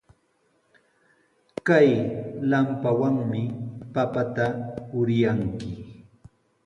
Kay lampawanmi papata uryanki.